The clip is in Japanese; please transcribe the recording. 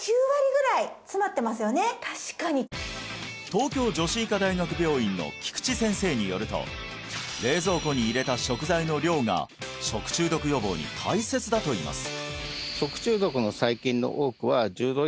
東京女子医科大学病院の菊池先生によると冷蔵庫に入れた食材の量が食中毒予防に大切だと言います